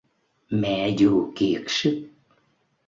Mẹ dù kiệt sức